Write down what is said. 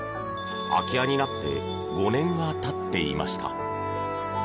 空き家になって５年がたっていました。